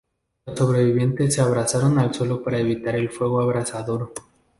Los sobrevivientes se abrazaron al suelo para evitar el fuego abrasador.